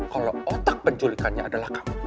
kalau otak penculikannya adalah kamu